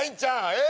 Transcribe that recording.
え！